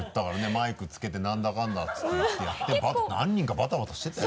マイク付けて何だかんだっていってやって何人かバタバタしてたよ？